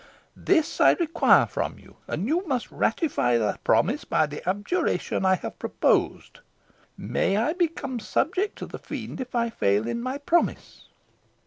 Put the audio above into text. This I require from you; and you must ratify the promise by the abjuration I have proposed. 'May I become subject to the Fiend if I fail in my promise.'"